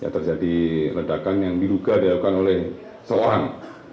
terjadi ledakan yang diduga dilakukan oleh seorang